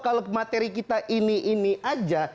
kalau materi kita ini ini aja